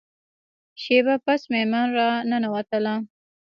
شیبه پس میرمن را ننوتله.